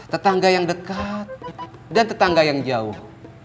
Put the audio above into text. tetangga yang dekat dan tetangga yang jauh